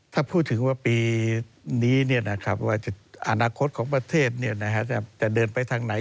ถ้าพูดถึงว่าปีนี้ว่าอนาคตของประเทศจะเดินไปทางไหน